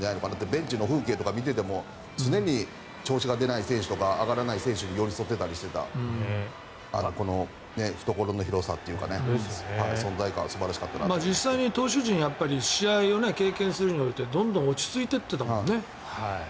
ベンチの風景とかを見ていても常に調子が出ない選手とか上がらない選手に寄り添っていたこの懐の広さというか存在感は実際に投手陣試合を経験するにおいてどんどん落ち着いていっていたもんね。